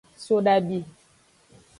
Sodabi.